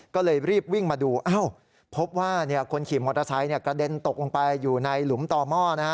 ก็เลยรีบวิ่งมาดูพบว่าคนขี่มอเตอร์ไซค์กระเด็นตกลงไปอยู่ในหลุมต่อหม้อนะฮะ